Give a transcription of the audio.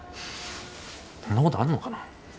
そんなことあるのかな？